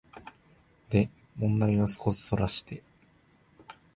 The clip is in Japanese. で問題を少しそらして、